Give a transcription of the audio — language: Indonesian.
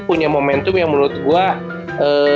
punya momentum yang menurut gue